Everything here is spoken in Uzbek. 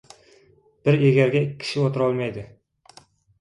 • Bir egarga ikki kishi o‘tirolmaydi.